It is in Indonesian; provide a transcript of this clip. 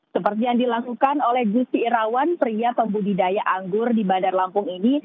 seperti yang dilakukan oleh gusti irawan pria pembudidaya anggur di bandar lampung ini